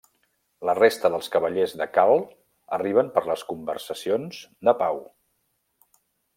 La resta dels cavallers de Karl arriben per les conversacions de pau.